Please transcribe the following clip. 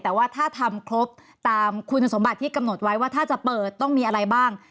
แต่ว่าถ้าทำครบตามคุณสมบัติที่กำหนดไว้ว่าถ้าจะเปิดต้องมีอะไรบ้าง